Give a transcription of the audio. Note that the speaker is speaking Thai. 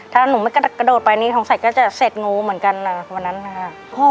ถ้าหนูไม่กระโดดไปอันนี้สักก็จะเสร็จงูเหมือนกันวันนั้นครับ